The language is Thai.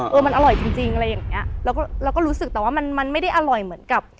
เออมันอร่อยจริงจริงอะไรอย่างเงี้ยแล้วก็เราก็รู้สึกแต่ว่ามันมันไม่ได้อร่อยเหมือนกับ